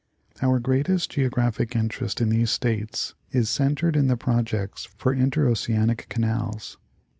Our greatest Geographic interest in these States is centered in the projects for interoceanic canals.